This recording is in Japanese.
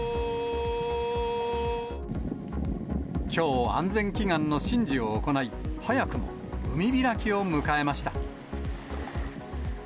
きょう、安全祈願の神事を行い、早くも海開きを迎えました。